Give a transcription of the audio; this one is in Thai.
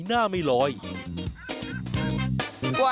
เอ้ามา